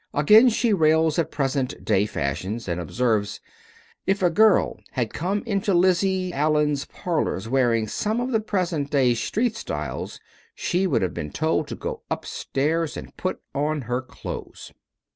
Again she rails at present day fashions, and observes, "If a girl had come into Lizzie Allen's parlors wearing some of the present day street styles she would have been told to go upstairs and put on her clothes."